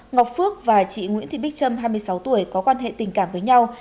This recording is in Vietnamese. ngọc phước và chị nguyễn thị bích trâm hai mươi sáu tuổi có quan hệ tình cảm với nhau